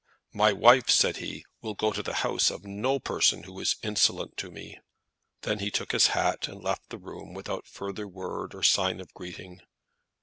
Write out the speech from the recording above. "My wife," said he, "will go to the house of no person who is insolent to me." Then he took his hat, and left the room without further word or sign of greeting.